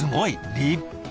立派！